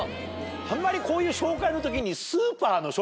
あんまりこういう紹介の時に。